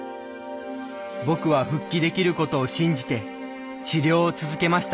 僕は復帰できることを信じて治療を続けました。